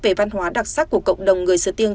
về văn hóa đặc sắc của cộng đồng người sư tiêng